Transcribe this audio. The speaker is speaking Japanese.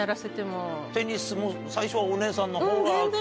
テニスも最初はお姉さんのほうが？